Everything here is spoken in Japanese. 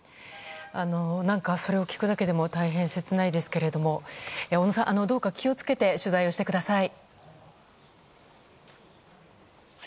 それを聞くだけでも大変切ないですが、小野さんどうか気を付けて取材をしてください。